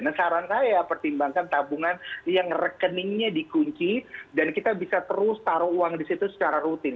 nah saran saya pertimbangkan tabungan yang rekeningnya dikunci dan kita bisa terus taruh uang di situ secara rutin